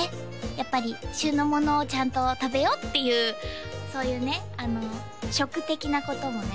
やっぱり旬のものをちゃんと食べようっていうそういうねあの食的なこともね